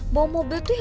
membangun mobil jadi apa